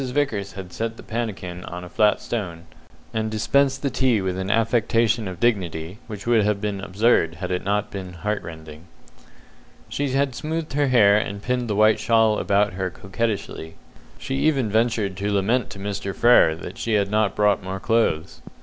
Vickers had set the pannikin on a flat stone, and dispensed the tea with an affectation of dignity which would have been absurd had it not been heart rending. She had smoothed her hair and pinned the white shawl about her coquettishly; she even ventured to lament to Mr. Frere that she had not brought more clothes.